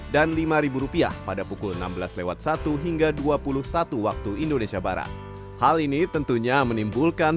dan lima ribu rupiah pada pukul enam belas lewat satu hingga dua puluh satu waktu indonesia barat hal ini tentunya menimbulkan